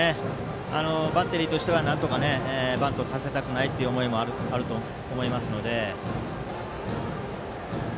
バッテリーとしてはバントさせたくないという思いもあると思いますので。